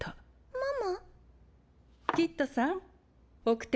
ママ？